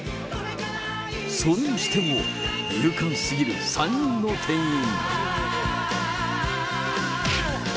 それにしても、勇敢すぎる３人の店員。